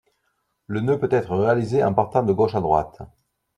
Le nœud peut être réalisé en partant de gauche à droite.